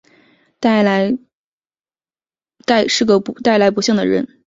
是个带来不幸的人